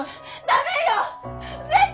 ダメよッ！！